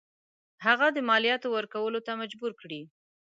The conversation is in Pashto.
هغه د مالیاتو ورکولو ته مجبور کړي.